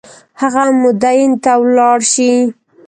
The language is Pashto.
هغه مدین ته ولاړ شي.